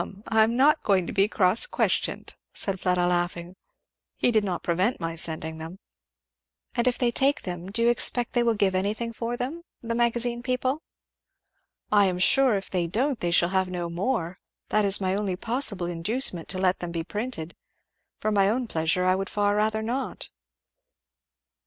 I'm not going to be cross questioned," said Fleda laughing. "He did not prevent my sending them." "And if they take them, do you expect they will give anything for them? the Magazine people?" "I am sure if they don't they shall have no more that is my only possible inducement to let them be printed. For my own pleasure, I would far rather not."